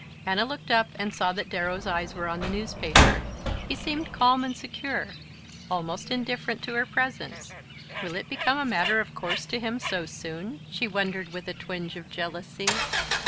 Anna looked up and saw that Darrow's eyes were on the newspaper. He seemed calm and secure, almost indifferent to her presence. "Will it become a matter of course to him so soon?" she wondered with a twinge of jealousy.